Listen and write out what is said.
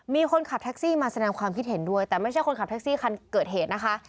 มีคนขับแท็กซี่มาแสดงความคิดเห็นด้วยแต่ไม่ใช่คนขับแท็กซี่คันเกิดเหตุนะคะ